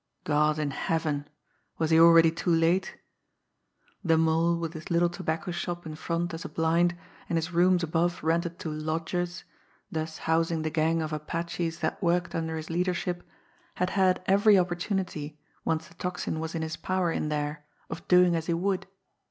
God in Heaven, was he already too late! The Mole, with his little tobacco shop in front as a blind, and his rooms above rented to "lodgers," thus housing the gang of Apaches that worked under his leadership, had had every opportunity, once the Tocsin was in his power in there, of doing as he would.